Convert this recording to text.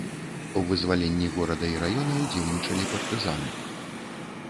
У вызваленні горада і раёна ўдзельнічалі партызаны.